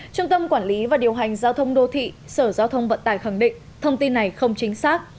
trung tâm quản lý và điều hành giao thông đô thị sở giao thông vận tải khẳng định thông tin này không chính xác